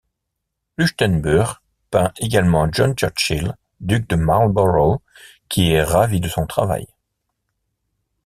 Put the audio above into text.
Huchtenburg peint également John Churchill, duc de Marlborough, qui est ravi de son travail.